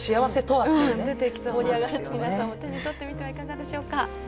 皆さんも手にとってみてはいかがでしょうか？